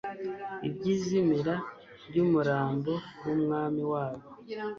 iby'izimira ry'umurambo w'Umwami wabo.